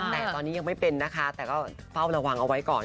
แต่ตอนนี้ยังไม่เป็นนะคะแต่ก็เฝ้าระวังเอาไว้ก่อน